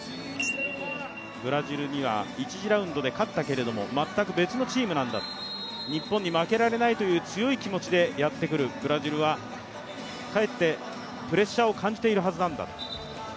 ブラジルには１次ラウンドで勝ったけれども全く別のチームなんだ、日本に負けられないという強い気持ちでやってくるブラジルは、かえってプレッシャーを感じているはずなんだと。